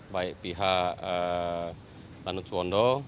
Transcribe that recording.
baik pihak lanut suwondo